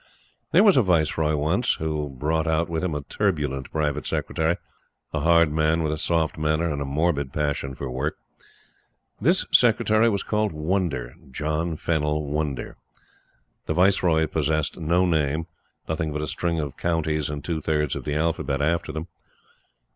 There was a Viceroy once, who brought out with him a turbulent Private Secretary a hard man with a soft manner and a morbid passion for work. This Secretary was called Wonder John Fennil Wonder. The Viceroy possessed no name nothing but a string of counties and two thirds of the alphabet after them.